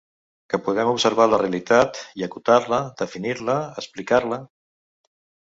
Que podem observar la realitat i acotar-la, definir-la, explicar-la.